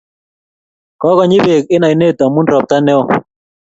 kokonyi bek eng ainet amun ropta neo